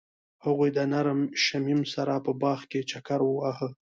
هغوی د نرم شمیم سره په باغ کې چکر وواهه.